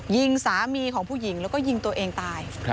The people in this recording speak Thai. ยิงสามีของผู้หญิงแล้วก็ยิงตัวเองตาย